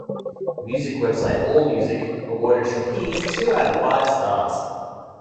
Music website AllMusic awarded "Trapeze" two out of five stars.